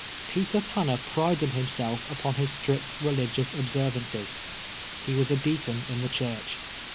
Peter Tanner prided himself uj>on his strict religious observances : he was a deacon in the church.